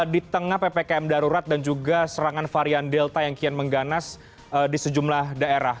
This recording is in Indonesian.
di tengah ppkm darurat dan juga serangan varian delta yang kian mengganas di sejumlah daerah